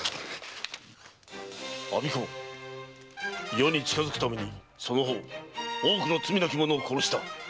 余に近づくためにその方多くの罪なき者を殺した。